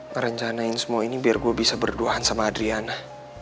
merencanain semua ini biar gue bisa berduaan sama adriana